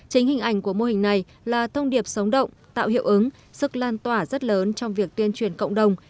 chính hình ảnh của mô hình này là thông điệp sống động tạo hiệu ứng sức lan tỏa rất lớn trong việc tuyên truyền cộng đồng